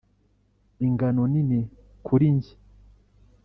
ingano nini kuri njye.